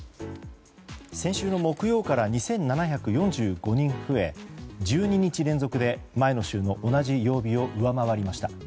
先週の木曜から２７４５人増え１２日連続で前の週の同じ曜日を上回りました。